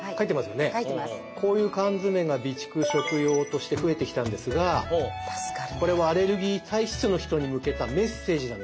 こういう缶詰が備蓄食用として増えてきたんですがこれはアレルギー体質の人に向けたメッセージなんですよ。